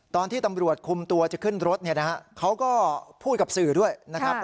ตอนที่ตำรวจคุมตัวจะขึ้นรถเขาก็พูดกับสื่อด้วยนะครับ